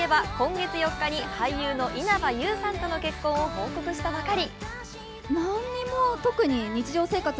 藤田さんといえば今月４日に俳優の稲葉友さんとの結婚を報告したばかり。